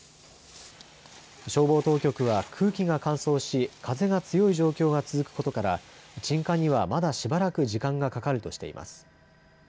消防当局は空気が乾燥し風が強い状況が続くことから鎮火には、まだしばらく時間がかかるとしています。